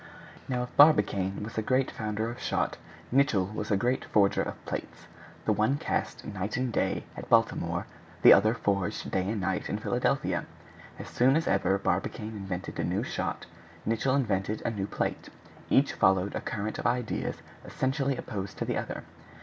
Now if Barbicane was a great founder of shot, Nicholl was a great forger of plates; the one cast night and day at Baltimore, the other forged day and night at Philadelphia. As soon as ever Barbicane invented a new shot, Nicholl invented a new plate; each followed a current of ideas essentially opposed to the other.